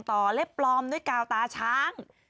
เล็บปลอมด้วยกาวตาช้าง